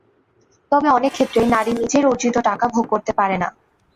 তবে অনেক ক্ষেত্রেই নারী নিজের অর্জিত টাকা ভোগ করতে পারে না।